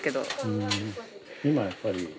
今やっぱり。